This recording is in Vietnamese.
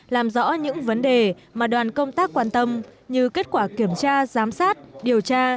làm rõ những vấn đề mà đoàn công tác quan tâm như kết quả kiểm tra giám sát điều tra